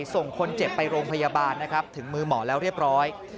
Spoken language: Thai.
ส่งคนเจ็บไปโรงพยาบาลนะครับถึงมือหมอแล้วเรียบร้อย